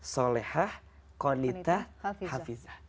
solehah konitah hafizah